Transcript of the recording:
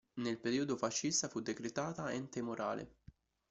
Nel periodo fascista fu decretata Ente morale.